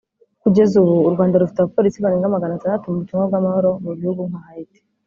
Kugeza ubu u Rwanda rufite abapolisi barenga magana atandatu mu butumwa bw’amahoro mu bihugu nka Haiti